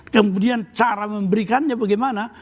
kemudian cara memberikannya bagaimana